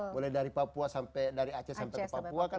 mulai dari papua sampai dari aceh sampai ke papua kan